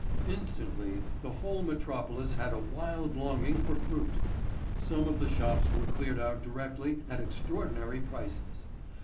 Instantly the whole metropolis had a wild longing for fruit. Some of the shops were cleared out directly at extraordinary prices.